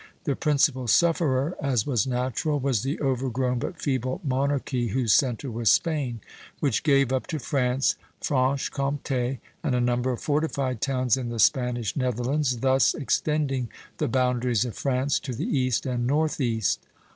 The principal sufferer, as was natural, was the overgrown but feeble monarchy whose centre was Spain, which gave up to France Franche Comté and a number of fortified towns in the Spanish Netherlands, thus extending the boundaries of France to the east and northeast.